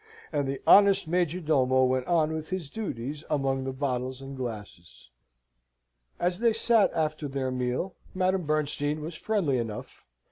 And the honest major domo went on with his duties among the bottles and glasses. As they sate after their meal, Madame Bernstein was friendly enough.